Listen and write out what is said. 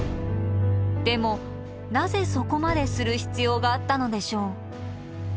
でもなぜそこまでする必要があったのでしょう？